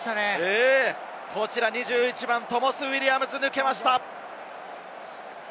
２１番トモス・ウィリアムズが抜けました。